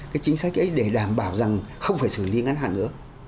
cái chính sách ấy để đảm bảo rằng không phải xử lý ngắn hạn nữa